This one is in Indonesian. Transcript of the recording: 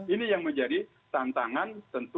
ini yang menjadi tantangan